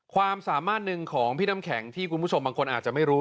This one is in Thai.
ความสามารถหนึ่งของพี่น้ำแข็งที่คุณผู้ชมบางคนอาจจะไม่รู้